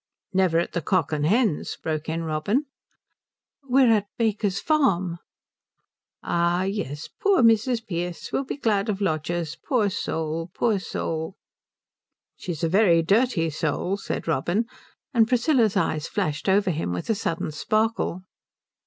"Never at the Cock and Hens?" broke in Robin. "We're at Baker's Farm." "Ah yes poor Mrs. Pearce will be glad of lodgers. Poor soul, poor soul." "She's a very dirty soul," said Robin; and Priscilla's eyes flashed over him with a sudden sparkle.